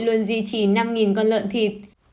luôn duy trì năm con lợn thịt